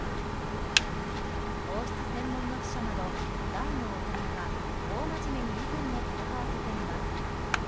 王室専門の記者など大の大人が大真面目に意見を戦わせています。